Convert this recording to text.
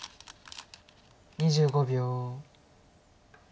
２５秒。